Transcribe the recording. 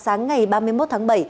sáng ngày ba mươi một tháng bảy